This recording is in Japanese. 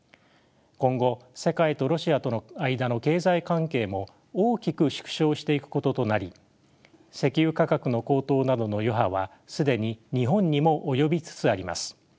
今後世界とロシアとの間の経済関係も大きく縮小していくこととなり石油価格の高騰などの余波は既に日本にも及びつつあります。